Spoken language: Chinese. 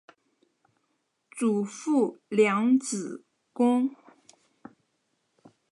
祖父梁子恭。